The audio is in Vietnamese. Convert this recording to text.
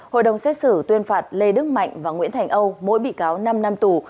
hội đồng xét xử tuyên phạt lê đức mạnh và nguyễn thành âu mỗi bị cáo năm năm tù